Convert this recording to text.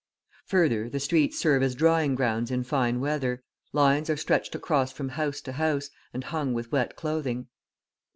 Further, the streets serve as drying grounds in fine weather; lines are stretched across from house to house, and hung with wet clothing.